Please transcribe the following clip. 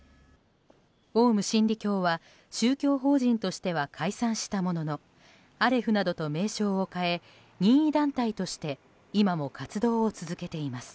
オウム真理教は宗教法人としては解散したもののアレフなどと名称を変え任意団体として今も活動を続けています。